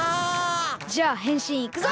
じゃあへんしんいくぞ！